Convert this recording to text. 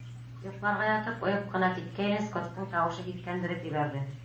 Йоҡларға ятып, ойоп ҡына киткәйне, Скоттың тауышы һиҫкәндереп ебәрҙе.